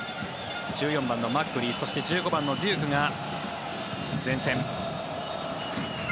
１４番のマッグリーそして１５番のデュークが前線。